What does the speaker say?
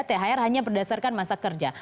thr hanya berdasarkan masa kerja